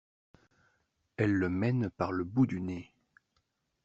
Elle le mène par le bout du nez.